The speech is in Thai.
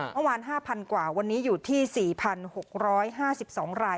เมื่อวานห้าพันกว่าวันนี้อยู่ที่สี่พันหกร้อยห้าสิบสองราย